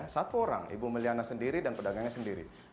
satu orang ibu may liana sendiri dan pedagangnya sendiri